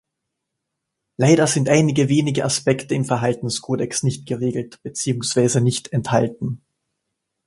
Leider sind einige wenige Aspekte im Verhaltenskodex nicht geregelt beziehungsweise nicht enthalten.